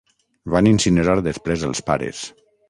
Van incinerar després els pares.